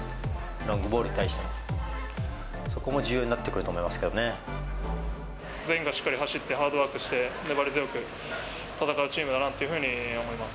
ロングボールに対して、そこも重全員がしっかり走って、ハードワークして、粘り強く戦うチームだなというふうに思います。